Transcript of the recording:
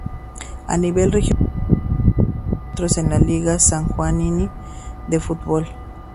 A nivel regional disputa sus encuentros en la Liga Sanjuanina de Fútbol.